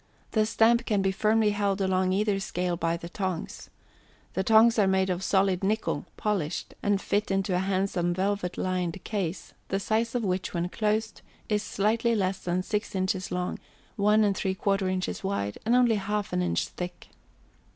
The stamp can be firmly held along either scale by the tongs. The tongs are made of solid nickel, polished, and fit into a handsome velvet lined case, the size of which, when closed, is slightly less than 6 inches long, 1 3/4 inches wide, and only 1/2 inch thick.